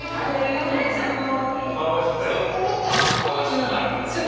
そう顔がちょっと丸くなってきた。